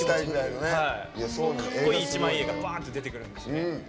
かっこいい一枚絵がバーンと出てくるんですね。